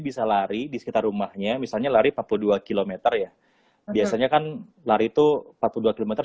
bisa lari di sekitar rumahnya misalnya lari empat puluh dua km ya biasanya kan lari itu empat puluh dua km